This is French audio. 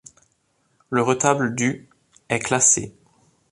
Le retable du est classé.